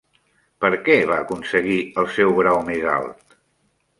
Per què va aconseguir el seu grau més alt?